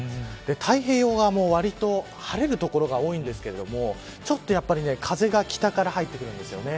太平洋側もわりと晴れる所が多いですけれどもちょっとやっぱり風が北から入ってくるんですよね。